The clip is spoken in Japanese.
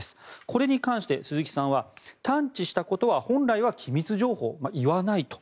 これに関して鈴木さんは探知したことは本来は機密情報言わないと。